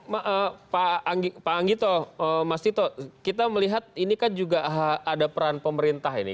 pak anggito mas tito kita melihat ini kan juga ada peran pemerintah ini